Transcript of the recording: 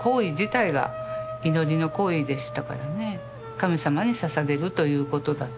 神様にささげるということだったので。